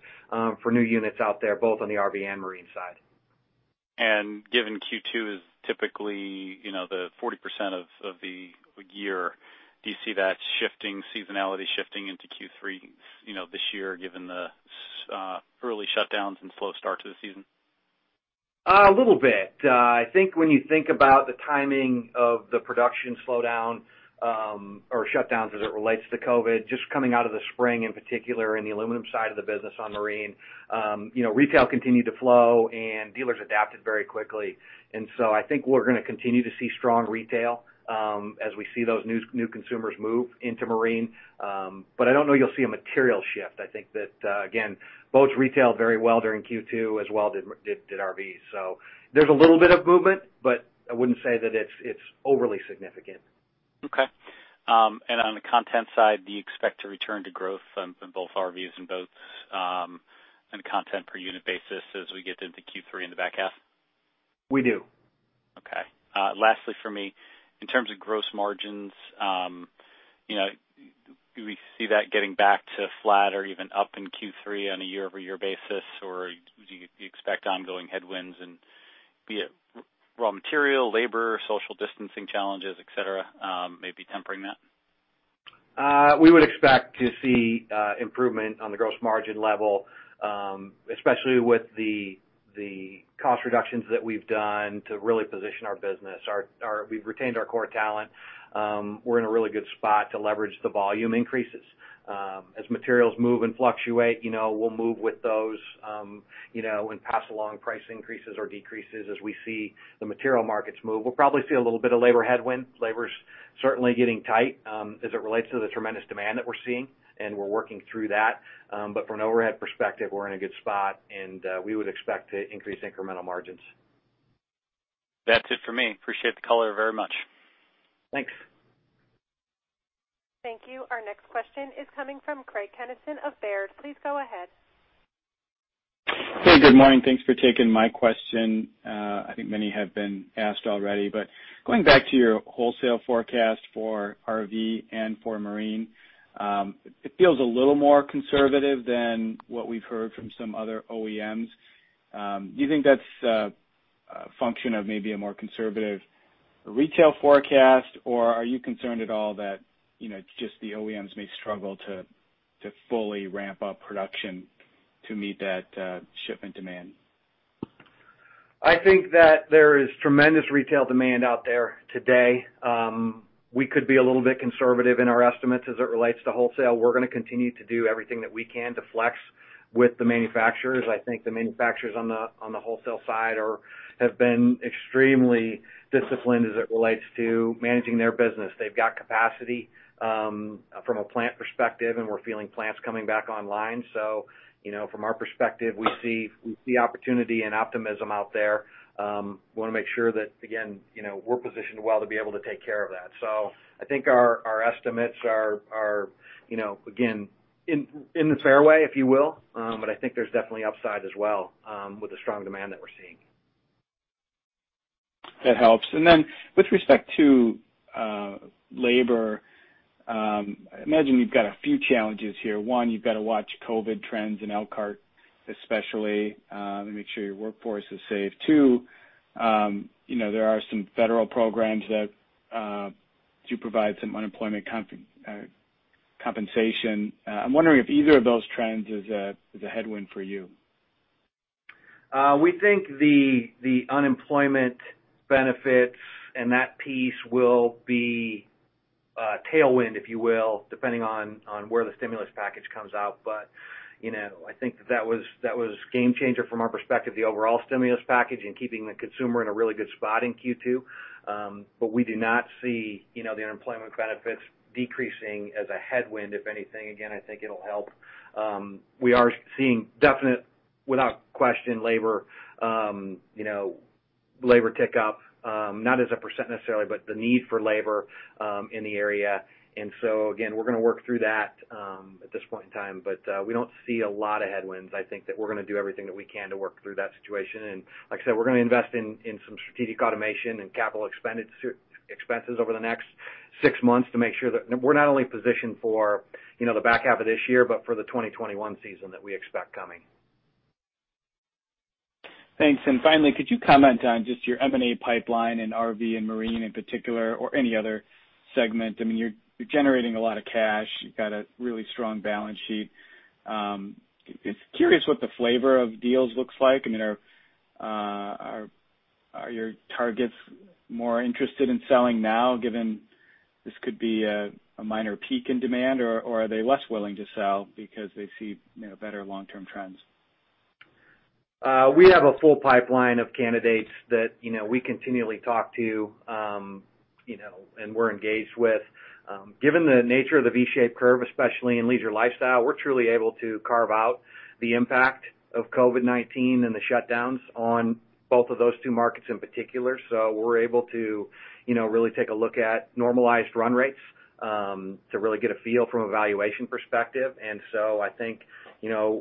for new units out there, both on the RV and marine side. Given Q2 is typically the 40% of the year, do you see that seasonality shifting into Q3 this year, given the early shutdowns and slow start to the season? A little bit. I think when you think about the timing of the production slowdown or shutdowns as it relates to COVID-19, just coming out of the spring, in particular, in the aluminum side of the business on marine. Retail continued to flow and dealers adapted very quickly. I think we're going to continue to see strong retail as we see those new consumers move into marine. I don't know you'll see a material shift. I think that, again, boats retailed very well during Q2, as well did RVs. There's a little bit of movement, but I wouldn't say that it's overly significant. Okay. On the content side, do you expect to return to growth from both RVs and boats on a content per unit basis as we get into Q3 in the back half? We do. Lastly from me, in terms of gross margins, do we see that getting back to flat or even up in Q3 on a year-over-year basis, or do you expect ongoing headwinds and be it raw material, labor, social distancing challenges, et cetera, maybe tempering that? We would expect to see improvement on the gross margin level, especially with the cost reductions that we've done to really position our business. We've retained our core talent. We're in a really good spot to leverage the volume increases. As materials move and fluctuate, we'll move with those and pass along price increases or decreases as we see the material markets move. We'll probably see a little bit of labor headwind. Labor's certainly getting tight as it relates to the tremendous demand that we're seeing, and we're working through that. From an overhead perspective, we're in a good spot, and we would expect to increase incremental margins. That's it for me. Appreciate the color very much. Thanks. Thank you. Our next question is coming from Craig Kennison of Baird. Please go ahead. Hey, good morning. Thanks for taking my question. I think many have been asked already. Going back to your wholesale forecast for RV and for marine, it feels a little more conservative than what we've heard from some other OEMs. Do you think that's a function of maybe a more conservative retail forecast, or are you concerned at all that just the OEMs may struggle to fully ramp up production to meet that shipment demand? I think that there is tremendous retail demand out there today. We could be a little bit conservative in our estimates as it relates to wholesale. We're going to continue to do everything that we can to flex with the manufacturers. I think the manufacturers on the wholesale side have been extremely disciplined as it relates to managing their business. They've got capacity from a plant perspective, and we're feeling plants coming back online. From our perspective, we see opportunity and optimism out there. We want to make sure that, again, we're positioned well to be able to take care of that. I think our estimates are, again, in the fairway, if you will. I think there's definitely upside as well with the strong demand that we're seeing. That helps. Then with respect to labor, I imagine you've got a few challenges here. One, you've got to watch COVID trends in Elkhart, especially to make sure your workforce is safe. Two, there are some federal programs that do provide some unemployment compensation. I'm wondering if either of those trends is a headwind for you. We think the unemployment benefits and that piece will be a tailwind, if you will, depending on where the stimulus package comes out. I think that was game changer from our perspective, the overall stimulus package and keeping the consumer in a really good spot in Q2. We do not see the unemployment benefits decreasing as a headwind. If anything, again, I think it'll help. We are seeing definite, without question, labor tick up, not as a percent necessarily, but the need for labor in the area. Again, we're going to work through that at this point in time. We don't see a lot of headwinds. I think that we're going to do everything that we can to work through that situation. Like I said, we're going to invest in some strategic automation and capital expenses over the next six months to make sure that we're not only positioned for the back half of this year, but for the 2021 season that we expect coming. Finally, could you comment on just your M&A pipeline in RV and marine in particular, or any other segment? You're generating a lot of cash. You've got a really strong balance sheet. Curious what the flavor of deals looks like. Are your targets more interested in selling now, given this could be a minor peak in demand, or are they less willing to sell because they see better long-term trends? We have a full pipeline of candidates that we continually talk to, and we're engaged with. Given the nature of the V-shaped curve, especially in leisure lifestyle, we're truly able to carve out the impact of COVID-19 and the shutdowns on both of those two markets in particular. We're able to really take a look at normalized run rates, to really get a feel from a valuation perspective. I think,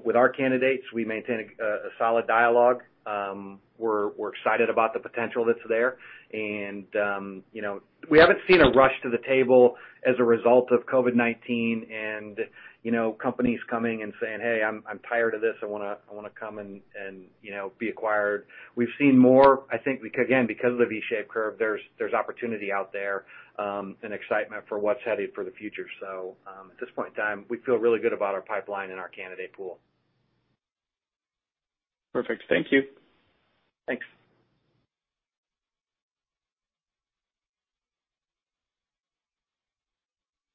with our candidates, we maintain a solid dialogue. We're excited about the potential that's there. We haven't seen a rush to the table as a result of COVID-19 and companies coming and saying, "Hey, I'm tired of this. I want to come and be acquired." We've seen more, I think, again, because of the V-shaped curve, there's opportunity out there, and excitement for what's headed for the future. At this point in time, we feel really good about our pipeline and our candidate pool. Perfect. Thank you. Thanks.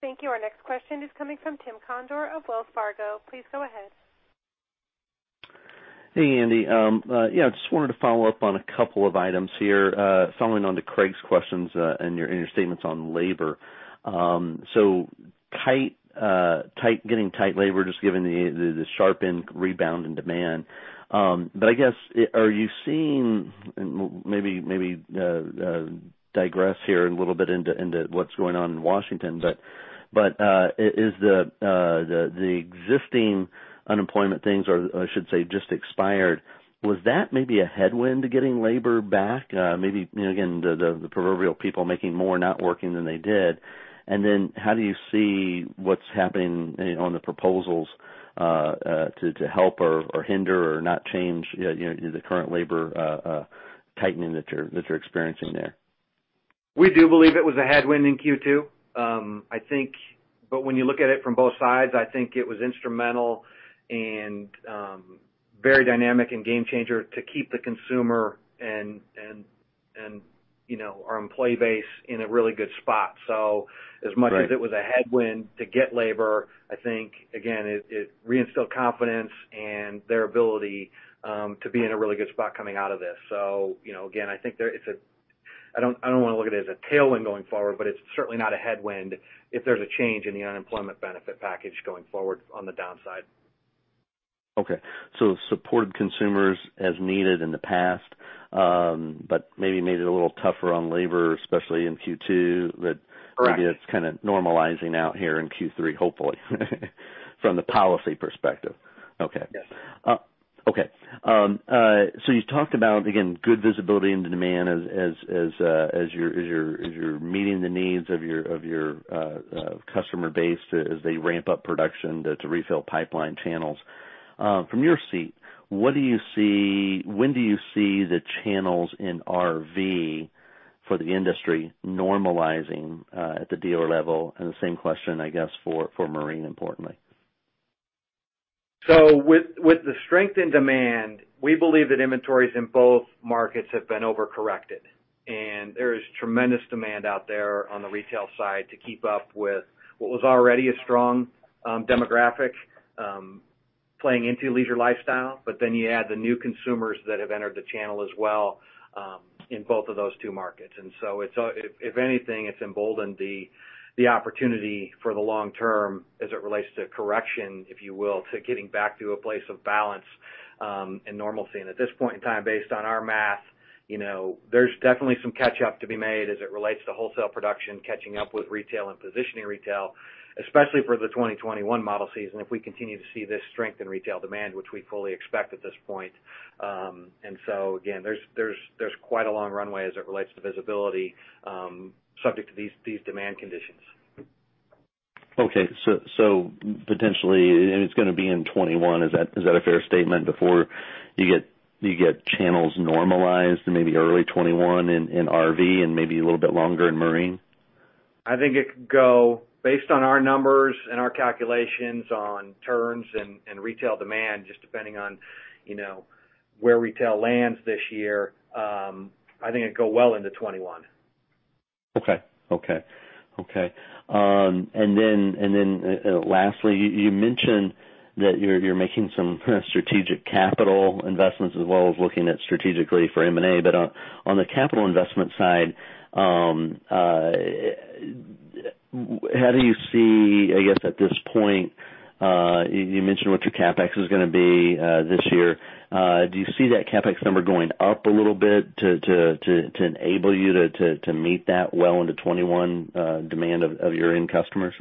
Thank you. Our next question is coming from Tim Conder of Wells Fargo. Please go ahead. Hey, Andy. Just wanted to follow up on a couple of items here. Following on to Craig's questions and your statements on labor. Getting tight labor, just given the sharpened rebound in demand. I guess, are you seeing, maybe digress here a little bit into what's going on in Washington, but is the existing unemployment things, or I should say, just expired, was that maybe a headwind to getting labor back? Maybe, again, the proverbial people making more not working than they did. How do you see what's happening on the proposals to help or hinder or not change the current labor tightening that you're experiencing there? We do believe it was a headwind in Q2. When you look at it from both sides, I think it was instrumental and very dynamic and game changer to keep the consumer and our employee base in a really good spot. As much as it was a headwind to get labor, I think, again, it reinstilled confidence and their ability to be in a really good spot coming out of this. Again, I don't want to look at it as a tailwind going forward, but it's certainly not a headwind if there's a change in the unemployment benefit package going forward on the downside. Okay. supported consumers as needed in the past, but maybe made it a little tougher on labor, especially in Q2. Correct. Maybe it's kind of normalizing out here in Q3, hopefully, from the policy perspective. Okay. Yes. Okay. You talked about, again, good visibility into demand as you're meeting the needs of your customer base as they ramp up production to refill pipeline channels. From your seat, when do you see the channels in RV for the industry normalizing at the dealer level? The same question, I guess, for marine, importantly? With the strength in demand, we believe that inventories in both markets have been over-corrected. There is tremendous demand out there on the retail side to keep up with what was already a strong demographic playing into leisure lifestyle. You add the new consumers that have entered the channel as well in both of those two markets. If anything, it's emboldened the opportunity for the long term as it relates to correction, if you will, to getting back to a place of balance and normalcy. At this point in time, based on our math, there's definitely some catch up to be made as it relates to wholesale production catching up with retail and positioning retail, especially for the 2021 model season, if we continue to see this strength in retail demand, which we fully expect at this point. Again, there's quite a long runway as it relates to visibility, subject to these demand conditions. Okay. Potentially, it's going to be in 2021, is that a fair statement? Before you get channels normalized in maybe early 2021 in RV and maybe a little bit longer in marine? I think it could go based on our numbers and our calculations on turns and retail demand, just depending on where retail lands this year. I think it'd go well into 2021. Okay. Lastly, you mentioned that you're making some kind of strategic capital investments as well as looking at strategically for M&A. On the capital investment side, how do you see, I guess at this point, you mentioned what your CapEx is going to be this year. Do you see that CapEx number going up a little bit to enable you to meet that well into 2021 demand of your end customers?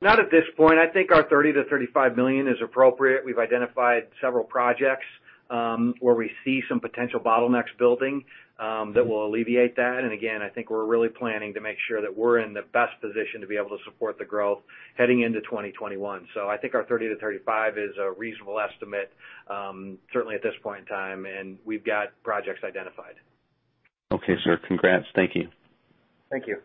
Not at this point. I think our $30 million-$35 million is appropriate. We've identified several projects, where we see some potential bottlenecks building, that will alleviate that. Again, I think we're really planning to make sure that we're in the best position to be able to support the growth heading into 2021. I think our $30 million-$35 million is a reasonable estimate, certainly at this point in time, and we've got projects identified. Okay, sir. Congrats. Thank you. Thank you.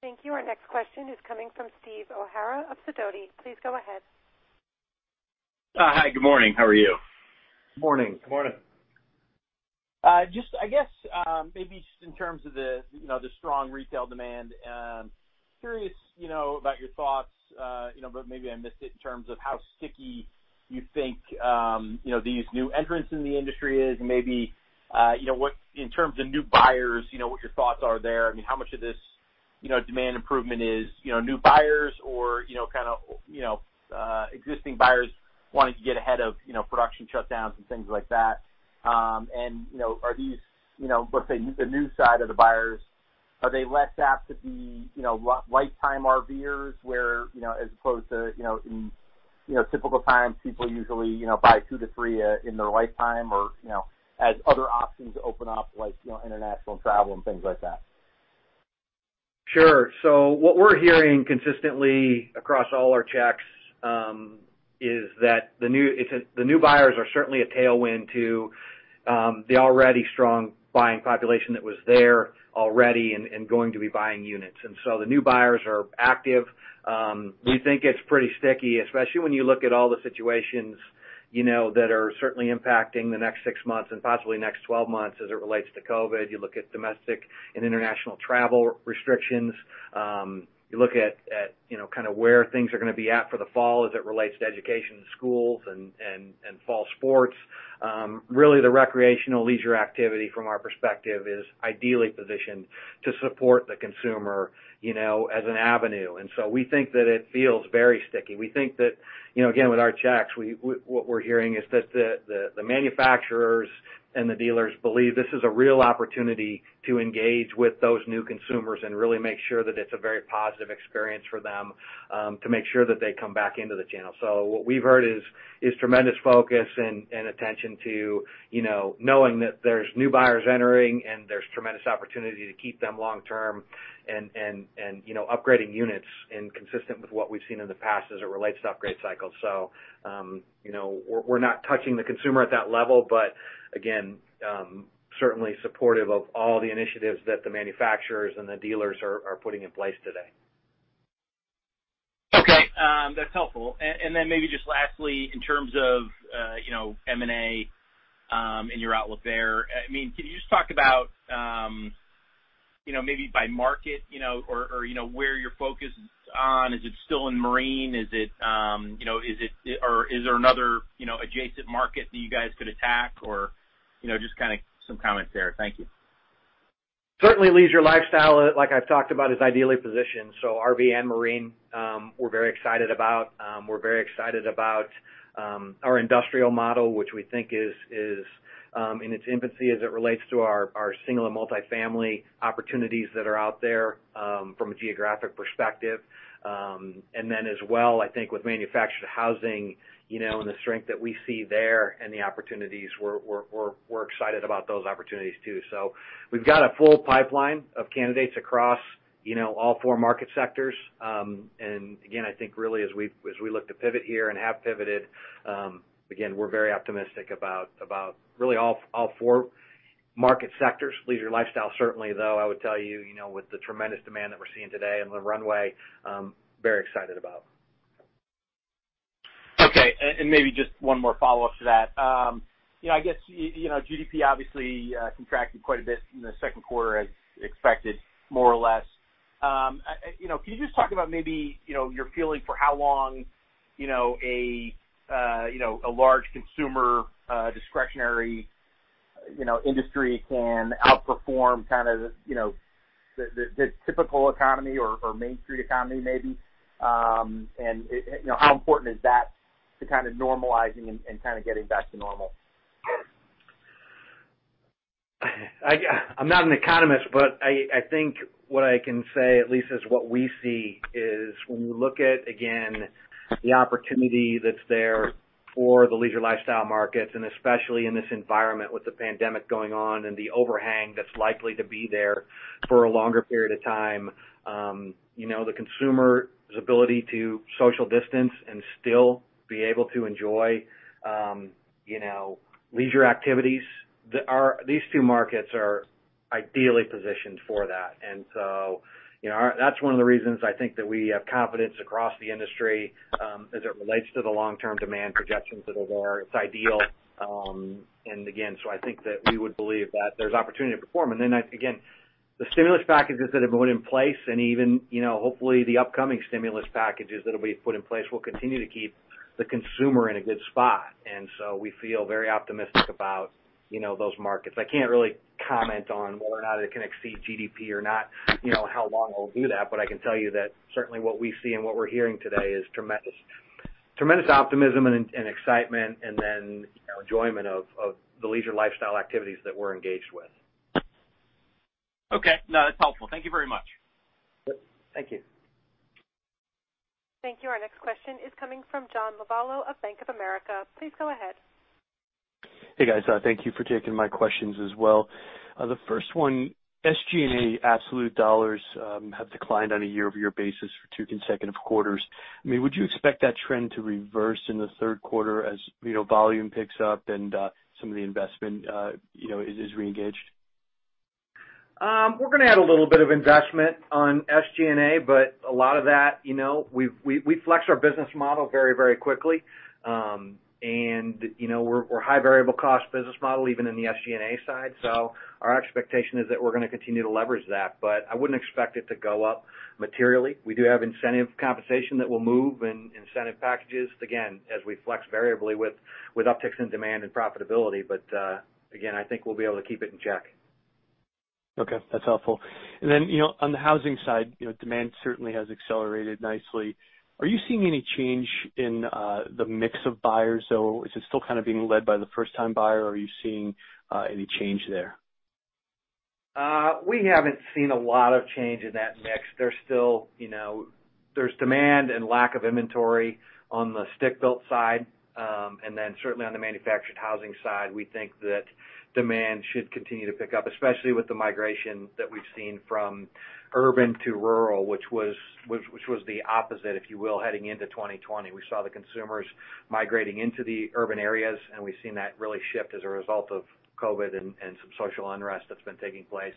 Thank you. Our next question is coming from Steve O'Hara of Sidoti. Please go ahead. Hi. Good morning. How are you? Morning. Good morning. I guess, maybe just in terms of the strong retail demand. Curious about your thoughts, but maybe I missed it in terms of how sticky you think these new entrants in the industry is, and maybe in terms of new buyers, what your thoughts are there. How much of this demand improvement is new buyers or kind of existing buyers wanting to get ahead of production shutdowns and things like that. Are these, let's say, the new side of the buyers, are they less apt to be lifetime RV-ers where, as opposed to in typical times, people usually buy two to three in their lifetime, or as other options open up, like international travel and things like that? Sure. What we're hearing consistently across all our checks, is that the new buyers are certainly a tailwind to the already strong buying population that was there already and going to be buying units. The new buyers are active. We think it's pretty sticky, especially when you look at all the situations that are certainly impacting the next 6 months and possibly the next 12 months as it relates to COVID. You look at domestic and international travel restrictions. You look at where things going to be at for the fall as it relates to education and schools and fall sports. Really, the recreational leisure activity from our perspective is ideally positioned to support the consumer as an avenue. We think that it feels very sticky. We think that, again, with our checks, what we're hearing is that the manufacturers and the dealers believe this is a real opportunity to engage with those new consumers and really make sure that it's a very positive experience for them, to make sure that they come back into the channel. What we've heard is tremendous focus and attention to knowing that there's new buyers entering and there's tremendous opportunity to keep them long-term and upgrading units and consistent with what we've seen in the past as it relates to upgrade cycles. We're not touching the consumer at that level, but again, certainly supportive of all the initiatives that the manufacturers and the dealers are putting in place today. Okay. That's helpful. Then maybe just lastly, in terms of M&A, and your outlook there, can you just talk about maybe by market or where your focus is on? Is it still in marine? Is there another adjacent market that you guys could attack, or just kind of some comments there. Thank you. Certainly, leisure lifestyle, like I've talked about, is ideally positioned. RV and marine, we're very excited about. We're very excited about our industrial model, which we think is in its infancy as it relates to our single and multi-family opportunities that are out there, from a geographic perspective. As well, I think with manufactured housing, and the strength that we see there and the opportunities, we're excited about those opportunities too. We've got a full pipeline of candidates across all four market sectors. Again, I think really as we look to pivot here and have pivoted, again, we're very optimistic about really all four market sectors. Leisure lifestyle certainly, though, I would tell you, with the tremendous demand that we're seeing today and the runway, very excited about. Okay. Maybe just one more follow-up to that. I guess, GDP obviously contracted quite a bit in the second quarter as expected, more or less. Can you just talk about maybe your feeling for how long a large consumer discretionary industry can outperform kind of the typical economy or main street economy maybe? How important is that to kind of normalizing and kind of getting back to normal? I'm not an economist, but I think what I can say at least is what we see is when you look at, again, the opportunity that's there for the leisure lifestyle markets, and especially in this environment with the pandemic going on and the overhang that's likely to be there for a longer period of time. The consumer's ability to social distance and still be able to enjoy leisure activities, these two markets are ideally positioned for that. That's one of the reasons I think that we have confidence across the industry, as it relates to the long-term demand projections that are there. It's ideal. Again, I think that we would believe that there's opportunity to perform. Then again, the stimulus packages that have been put in place and even hopefully the upcoming stimulus packages that'll be put in place will continue to keep the consumer in a good spot. So, we feel very optimistic about those markets. I can't really comment on whether or not it can exceed GDP or not, how long it'll do that. I can tell you that certainly what we see and what we're hearing today is tremendous optimism and excitement, and then enjoyment of the leisure lifestyle activities that we're engaged with. Okay. No, that's helpful. Thank you very much. Yep. Thank you. Thank you. Our next question is coming from John Lovallo of Bank of America. Please go ahead. Hey, guys. Thank you for taking my questions as well. The first one, SG&A absolute dollars have declined on a year-over-year basis for two consecutive quarters. Would you expect that trend to reverse in the third quarter as volume picks up and some of the investment is reengaged? We're going to add a little bit of investment on SG&A, but a lot of that, we flex our business model very quickly. We're a high variable cost business model, even in the SG&A side. Our expectation is that we're going to continue to leverage that, but I wouldn't expect it to go up materially. We do have incentive compensation that will move and incentive packages, again, as we flex variably with upticks in demand and profitability. Again, I think we'll be able to keep it in check. Okay, that's helpful. On the housing side, demand certainly has accelerated nicely. Are you seeing any change in the mix of buyers, though? Is it still kind of being led by the first-time buyer, or are you seeing any change there? We haven't seen a lot of change in that mix. There's demand and lack of inventory on the stick-built side. Certainly, on the manufactured housing side, we think that demand should continue to pick up, especially with the migration that we've seen from urban to rural, which was the opposite, if you will, heading into 2020. We saw the consumers migrating into the urban areas, and we've seen that really shift as a result of COVID-19 and some social unrest that's been taking place.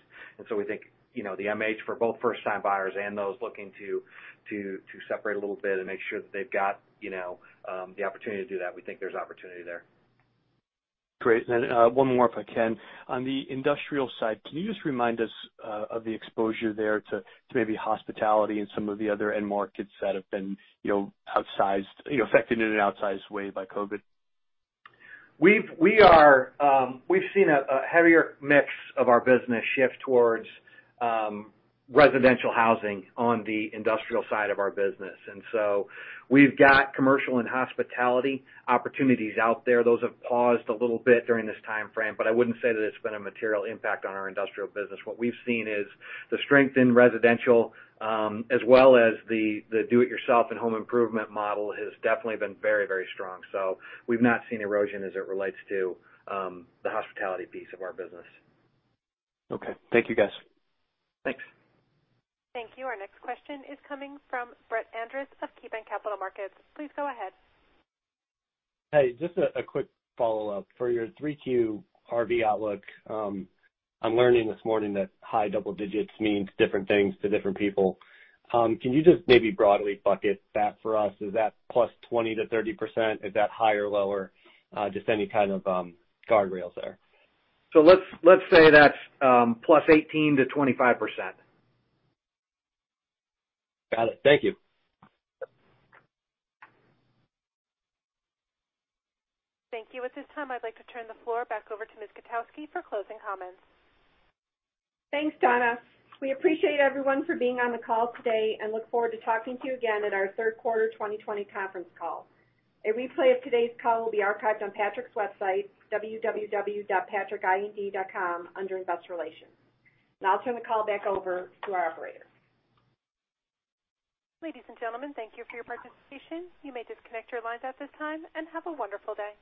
We think, the MH for both first-time buyers and those looking to separate a little bit and make sure that they've got the opportunity to do that, we think there's opportunity there. Great. One more, if I can. On the industrial side, can you just remind us of the exposure there to maybe hospitality and some of the other end markets that have been affected in an outsized way by COVID? We've seen a heavier mix of our business shift towards residential housing on the industrial side of our business. We've got commercial and hospitality opportunities out there. Those have paused a little bit during this timeframe, but I wouldn't say that it's been a material impact on our industrial business. What we've seen is the strength in residential, as well as the do it yourself and home improvement model has definitely been very strong. We've not seen erosion as it relates to the hospitality piece of our business. Okay. Thank you, guys. Thanks. Thank you. Our next question is coming from Brett Andress of KeyBanc Capital Markets. Please go ahead. Hey, just a quick follow-up. For your 3Q RV outlook, I'm learning this morning that high double digits means different things to different people. Can you just maybe broadly bucket that for us? Is that +20%-30%? Is that higher or lower? Just any kind of guardrails there. Let's say that's +18%-25%. Got it. Thank you. Yep. Thank you. At this time, I'd like to turn the floor back over to Ms. Kotowski for closing comments. Thanks, Donna. We appreciate everyone for being on the call today and look forward to talking to you again at our third quarter 2020 conference call. A replay of today's call will be archived on Patrick's website, www.patrickind.com, under Investor Relations. Now I'll turn the call back over to our operator. Ladies and gentlemen, thank you for your participation. You may disconnect your lines at this time, and have a wonderful day.